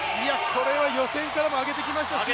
これは予選からも上げてきましたし